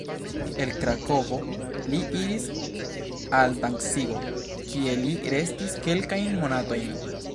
El Krakovo li iris al Dancigo, kie li restis kelkajn monatojn.